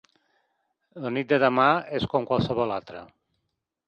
La nit de demà és com qualsevol altra.